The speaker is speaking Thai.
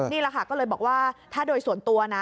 นี่แหละค่ะก็เลยบอกว่าถ้าโดยส่วนตัวนะ